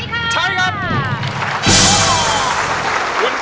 ไม่มั่นใจใช้ค่ะ